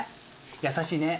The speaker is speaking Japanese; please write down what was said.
優しいね。